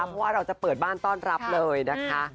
เพราะว่าเราจะเปิดบ้านต้อนรับเลยนะคะ